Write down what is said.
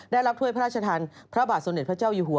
ถ้วยพระราชทานพระบาทสมเด็จพระเจ้าอยู่หัว